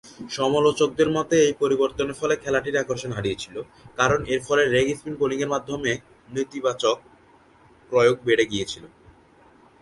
সমালোচকদের মতে এই পরিবর্তনের ফলে খেলাটি আকর্ষণ হারিয়েছিল, কারণ এরফলে লেগ স্পিন বোলিংয়ের মাধ্যমে নেতিবাচক কৌশলের প্রয়োগ বেড়ে গিয়েছিল।